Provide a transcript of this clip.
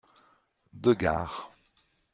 Deux gares.